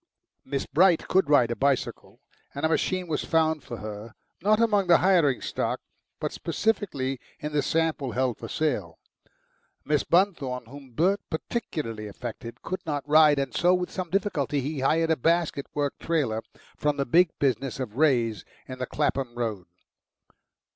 Miss Bright could ride a bicycle, and a machine was found for her, not among the hiring stock, but specially, in the sample held for sale. Miss Bunthorne, whom Bert particularly affected, could not ride, and so with some difficulty he hired a basket work trailer from the big business of Wray's in the Clapham Road.